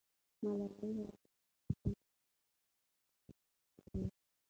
ملالۍ وویل چې غازیان ماتي سره مخامخ سوي.